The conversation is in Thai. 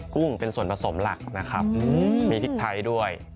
กุ้งเป็นส่วนผสมหลักนะครับมีพริกไทยด้วย